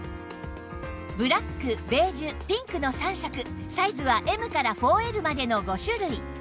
ブラックベージュピンクの３色サイズは Ｍ から ４Ｌ までの５種類